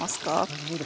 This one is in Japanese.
なるほど。